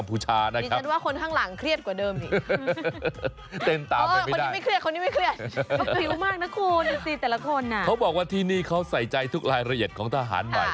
ประมาณนั้น